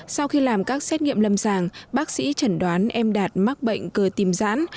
sau khi làm các xét nghiệm lâm sàng bác sĩ chẩn đoán em đạt mắc bệnh cơ tim giãn